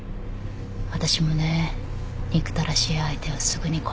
私もね憎たらしい相手はすぐに殺さない。